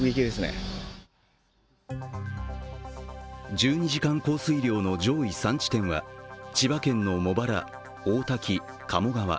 １２時間降水量の上位３地点は千葉県の茂原、大多喜、鴨川。